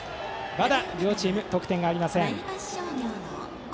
まだ両チーム得点がありません。